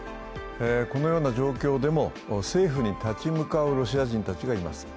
このような状況でも政府に立ち向かうロシア人たちがいます。